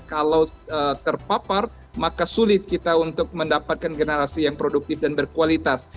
kalau terpapar maka sulit kita untuk mendapatkan generasi yang produktif dan berkualitas